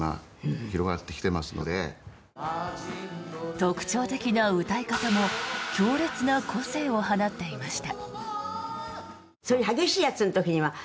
特徴的な歌い方も強烈な個性を放っていました。